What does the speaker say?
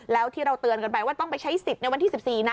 แล้วที่เราเตือนกันไปว่าต้องไปใช้สิทธิ์ในวันที่๑๔นะ